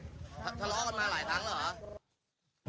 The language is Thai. ทะเลาะกันมาหลายครั้งเหรอ